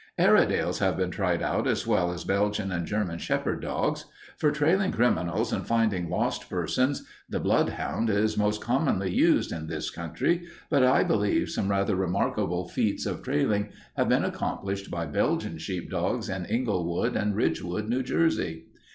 Airedales have been tried out as well as Belgian and German shepherd dogs. For trailing criminals and finding lost persons, the bloodhound is most commonly used in this country, but I believe some rather remarkable feats of trailing have been accomplished by Belgian sheepdogs at Englewood and Ridgewood, New Jersey."